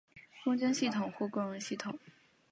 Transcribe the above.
共晶系统或共熔系统。